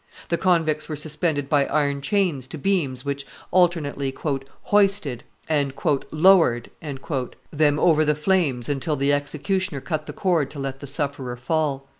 The convicts were suspended by iron chains to beams which alternately "hoisted" and "lowered" them over the flames until the executioner cut the cord to let the sufferer fall.